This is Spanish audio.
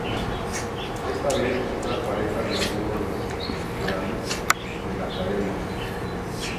Esta vez, entran parejas de algunos de los realities de la cadena.